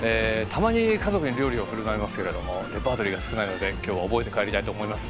たまに家族に料理をふるまいますけれどレパートリーが少なくてきょうは覚えて帰りたいと思います。